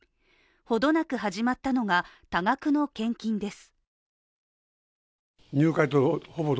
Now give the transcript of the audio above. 程なく始まったのが多額の献金です。